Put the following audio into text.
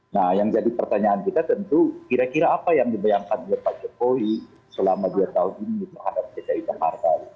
nah yang jadi pertanyaan kita tentu kira kira apa yang dibayangkan oleh pak jokowi selama dua tahun ini terhadap dki jakarta